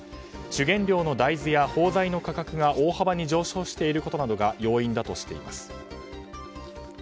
主原料の大豆や包材の価格が大幅に上昇していることなどが要因だとしています。